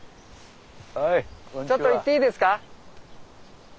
ちょっと行っていいですか？